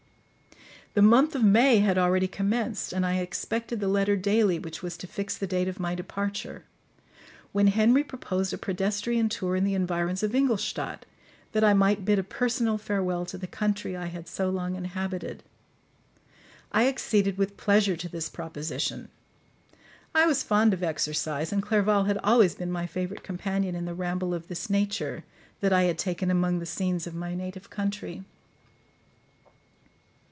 The month of May had already commenced, and I expected the letter daily which was to fix the date of my departure, when Henry proposed a pedestrian tour in the environs of Ingolstadt, that I might bid a personal farewell to the country I had so long inhabited. I acceded with pleasure to this proposition: I was fond of exercise, and Clerval had always been my favourite companion in the ramble of this nature that I had taken among the scenes of my native country.